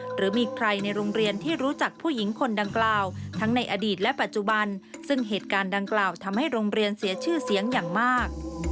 หรือมีใครในโรงเรียนที่รู้จักผู้หญิงคนดังกล่าวทั้งในอดีตและปัจจุบันซึ่งเหตุการณ์ดังกล่าวทำให้โรงเรียนเสียชื่อเสียงอย่างมาก